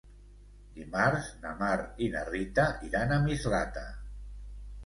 Dimarts na Mar i na Rita iran a Mislata.